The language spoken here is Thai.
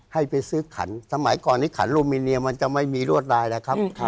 ให้ไปซื้อขันสมัยก่อนที่ขันลูมิเนียมันจะไม่มีรวดลายแล้วครับ